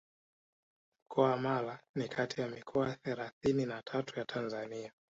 Mkoa wa Mara ni kati ya mikoa thelathini na tatu ya Tanzania